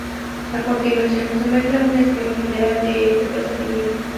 A continuación se muestra un esquema general de este procedimiento.